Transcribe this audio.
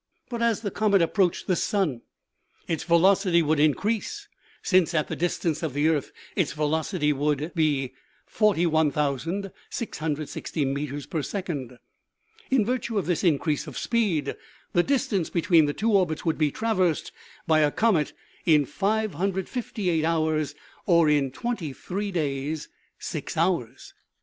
But, as the comet approached the sun, its velocity would in crease, since at the distance of the earth its velocity would be 41,660 meters per second. In virtue of this increase of speed, the distance between the two orbits would be traversed by a comet in 558 hours, or in twenty three days, six hours.